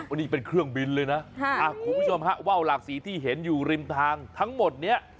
อันนี้เป็นเครื่องบินเลยนะคุณผู้ชมฮะว่าวหลากสีที่เห็นอยู่ริมทางทั้งหมดเนี่ย